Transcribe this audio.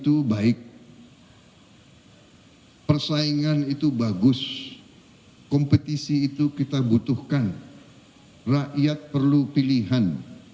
itu baik persaingan itu bagus kompetisi itu kita butuhkan rakyat perlu pilihan